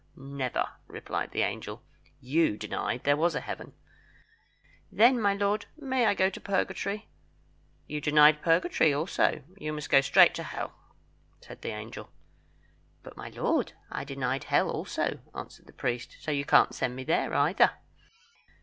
"Never," replied the angel. "You denied there was a Heaven." "Then, my lord, may I go to Purgatory?" "You denied Purgatory also; you must go straight to Hell," said the angel. "But, my lord, I denied Hell also," answered the priest, "so you can't send me there either."